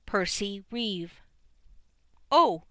PERCY REEVE. "Oh!"